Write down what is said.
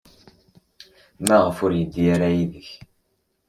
Maɣef ur yeddi ara yid-k?